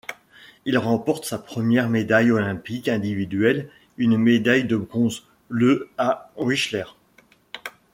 Il remporte sa première médaille olympique individuelle, une médaille de bronze, le à Whistler.